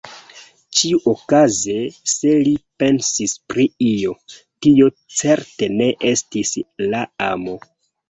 Ĉiuokaze, se li pensis pri io, tio certe ne estis la amo.